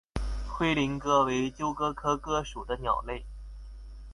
灰林鸽为鸠鸽科鸽属的鸟类。